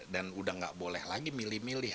dan udah gak boleh lagi milih milih